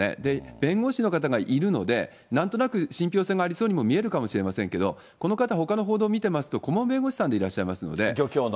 弁護士の方がいるので、なんとなく信ぴょう性がありそうにも見えるかもしれませんけれども、この方、ほかの報道見てますと、顧問弁護士さんでいらっしゃ漁協の。